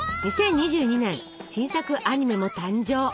２０２２年新作アニメも誕生。